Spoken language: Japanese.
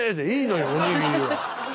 おにぎりは。